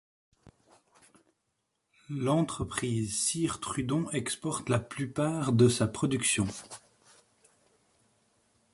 L'entreprise Cire Trudon exporte la plupart de sa production.